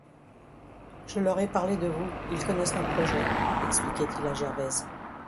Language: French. Je leur ai parlé de vous, ils connaissent nos projets, expliquait-il à Gervaise.